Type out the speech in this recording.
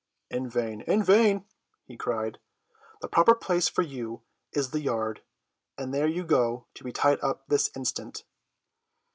"In vain, in vain," he cried; "the proper place for you is the yard, and there you go to be tied up this instant."